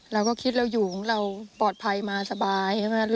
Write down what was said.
เราก็คิดเราอยู่เราปลอดภัยมาสบาย